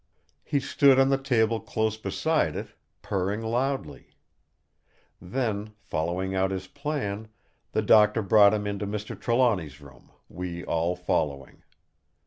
He stood on the table close beside it, purring loudly. Then, following out his plan, the Doctor brought him into Mr. Trelawny's room, we all following.